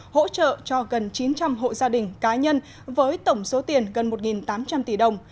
hỗ trợ cho gần chín trăm linh hộ gia đình cá nhân với tổng số tiền gần một tám trăm linh tỷ đồng